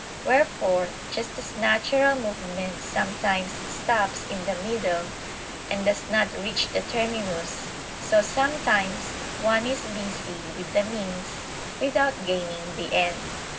Wherefore just as natural movement sometimes stops in the middle and does not reach the terminus; so sometimes one is busy with the means, without gaining the end.